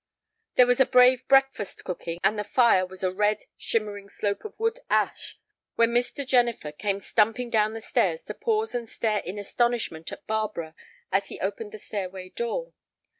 There was a brave breakfast cooking, and the fire was a red, shimmering slope of wood ash when Mr. Jennifer came stumping down the stairs to pause and stare in astonishment at Barbara as he opened the stairway door.